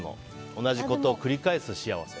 同じことを繰り返す幸せ。